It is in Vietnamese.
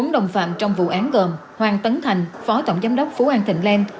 bốn đồng phạm trong vụ án gồm hoàng tấn thành phó tổng giám đốc phú an thịnh lan